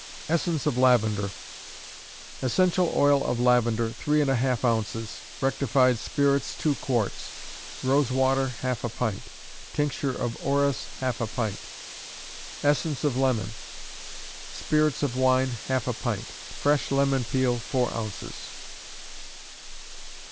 Essence of Lavender. Essential oil of lavender, three and a half ounces; rectified spirits, two quarts; rose water, half a pint; tincture of orris, half a pint. Essence of Lemon. Spirits of wine, half a pint; fresh lemon peel, four ounces.